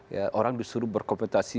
ya orang disuruh berkompetisi